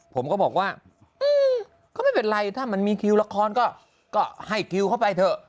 ผมก็บอกว่าก็ไม่เป็นไรถ้ามันมีคิวละครก็ให้คิวเข้าไปเถอะ